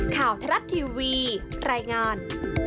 ข่าวทรัพย์ทีวีรายงาน